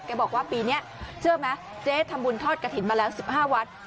บอกว่าปีนี้เชื่อไหมเจ๊ทำบุญทอดกระถิ่นมาแล้ว๑๕วัด